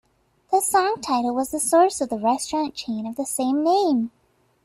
The song title was the source of the restaurant chain of the same name.